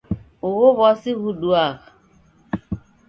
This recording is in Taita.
Ugho w'asi ghuduagha.